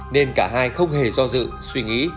nên cả hai không hề do dự suy nghĩ